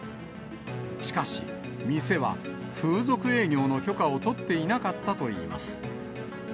しかし、店は風俗営業の許可を取っていなかったといいます。